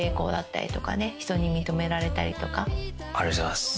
ありがとうございます。